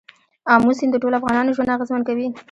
آمو سیند د ټولو افغانانو ژوند اغېزمن کوي.